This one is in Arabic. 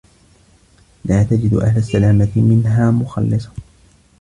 لَا تَجِدُ أَهْلُ السَّلَامَةِ مِنْهَا مُخَلِّصًا